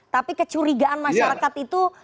tapi kecurigaan masyarakat itu